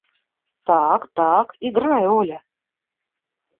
– Так, так. Играй, Оля!